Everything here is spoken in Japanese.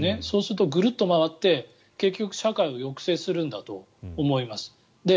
そうするとぐるっと回って結局、社会を抑制するんだと思います。